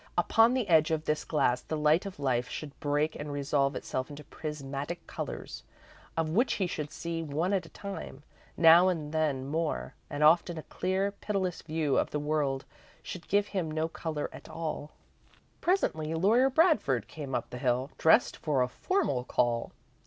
Upon the edge of this glass, the light of life should break and resolve itself into prismatic colours, of which he should see one at a time, now and then more, and often a clear, pitiless view of the world should give him no colour at all. Presently Lawyer Bradford came up the hill, dressed for a formal call.